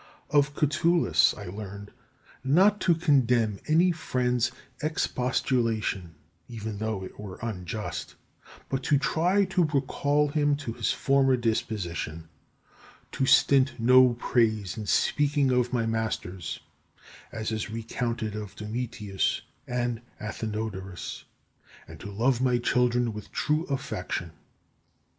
13. Of Catulus I learned not to condemn any friend's expostulation even though it were unjust, but to try to recall him to his former disposition; to stint no praise in speaking of my masters, as is recounted of Domitius and Athenodorus; and to love my children with true affection.